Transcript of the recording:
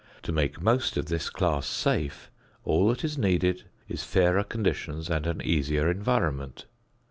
To make most of this class safe, all that is needed is fairer conditions and an easier environment.